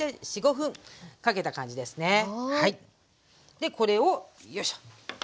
でこれをよいしょ。